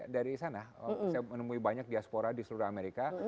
dari sana saya menemui banyak diaspora di seluruh amerika